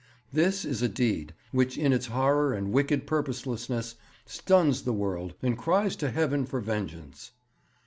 This is a deed which in its horror and wicked purposelessness stuns the world and cries to heaven for vengeance.